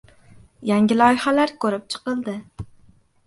Yangi loyihalar ko‘rib chiqildi